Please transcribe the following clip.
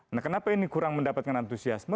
nah kenapa ini kurang mendapatkan antusiasme